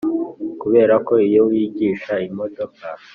Kubera ko iyo wigisha imodoka